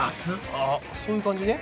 あそういう感じね。